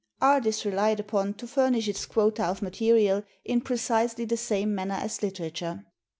Art is relied upon to furnish its quota of mate rial in precisely the same manner as literature.